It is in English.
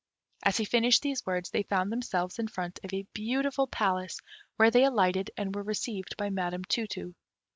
As he finished these words, they found themselves in front of a beautiful palace, where they alighted and were received by Madam Tu tu.